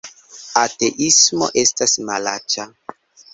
Ateismo estas malaĉa